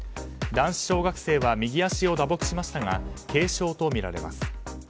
男子小学生は右足を打撲しましたが軽傷とみられます。